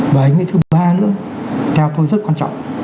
và ý nghĩa thứ ba nữa theo tôi rất quan trọng